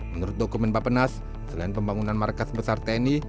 menurut dokumen bapak penas selain pembangunan markas besar tni